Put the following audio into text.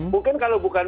mungkin kalau bukan